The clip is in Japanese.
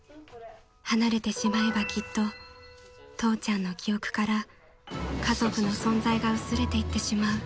［離れてしまえばきっと父ちゃんの記憶から家族の存在が薄れていってしまう］